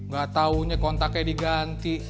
gak taunya kontaknya diganti